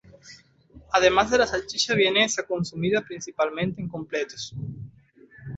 Además de la salchicha vienesa consumida principalmente en completos.